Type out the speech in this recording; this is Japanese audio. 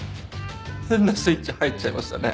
変なスイッチ入っちゃいましたね。